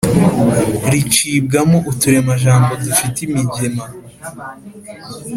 ricibwamo uturemajambo dufite imigema